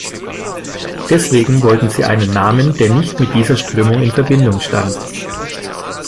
Deswegen wollten sie einen Namen, der nicht mit dieser Strömung in Verbindung stand.